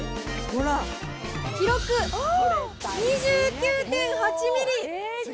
ほら、記録、２９．８ミリ！